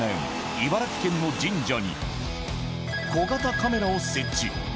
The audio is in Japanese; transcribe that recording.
茨城県の神社に小型カメラを設置。